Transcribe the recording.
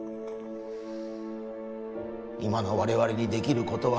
今の我々にできることは